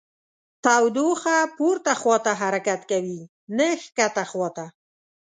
تودوخه پورته خواته حرکت کوي نه ښکته خواته.